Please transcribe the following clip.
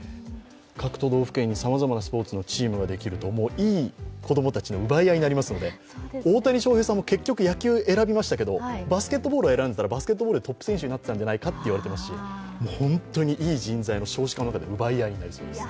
各都道府県にさまざまなスポーツのチームができると、いい子供たちの奪い合いになりますので大谷翔平さんも結局野球を選びましたけれどもバスケットボールを選んでいたらバスケットボールでトップ選手になっていたんじゃないかって言われていますし本当にいい人材、少子化の中で奪い合いになりそうです。